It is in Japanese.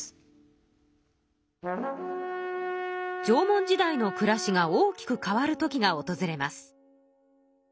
縄文時代の暮らしが大きく変わるときがおとずれます。